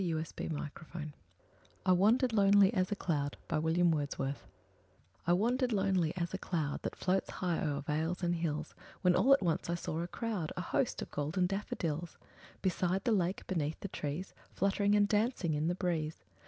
William Wordsworth I Wandered Lonely As a Cloud I WANDERED lonely as a cloud That floats on high o'er vales and hills, When all at once I saw a crowd, A host, of golden daffodils; Beside the lake, beneath the trees, Fluttering and dancing in the breeze.